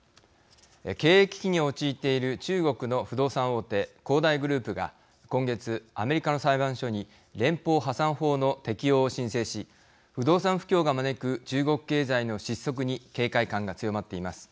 経営危機に陥っている中国の不動産大手恒大グループが今月アメリカの裁判所に連邦破産法の適用を申請し不動産不況が招く中国経済の失速に警戒感が強まっています。